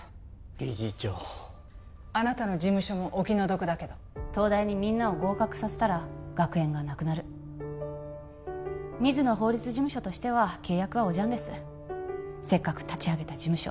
理事長あなたの事務所もお気の毒だけど東大にみんなを合格させたら学園がなくなる水野法律事務所としては契約はおじゃんですせっかく立ち上げた事務所